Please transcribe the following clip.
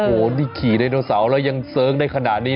โอ้โหนี่ขี่ไดโนเสาร์แล้วยังเสิร์งได้ขนาดนี้